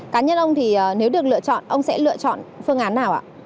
cá nhân ông thì nếu được lựa chọn ông sẽ lựa chọn phương án nào ạ